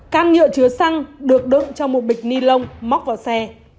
can nhựa chứa xăng được đựng trong một bịch ni lông móc vào xe